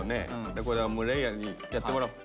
これはもう嶺亜にやってもらおう。